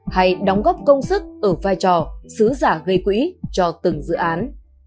hay đóng góp công sức ở vai trò xứ giả gây quỹ cho từng dự án